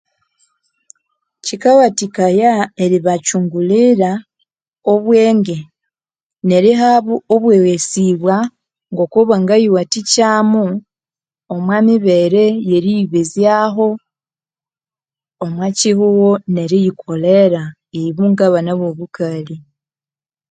Kyika wathikaya eribakyungulira obwenge nerihabo obweghesibwa ngo kubangayiwathikyamu omwamibere eyeriyibezyaho omwa kyihugho neriyikolera ibo ngabana bobukalhi